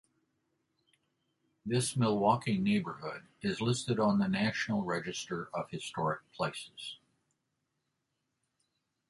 This Milwaukee neighborhood is listed on the National Register of Historic Places.